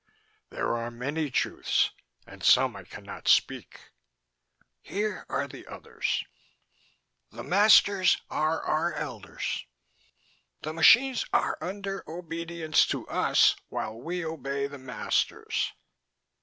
There are many truths and some I can not speak. Here are the others: "The masters are our elders. "The machines are under obedience to us while we obey the masters.